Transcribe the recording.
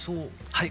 はい。